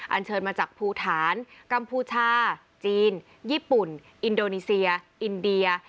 เชิญมาจากภูฐานกัมพูชาจีนญี่ปุ่นอินโดนีเซียอินเดีย